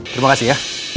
terima kasih ya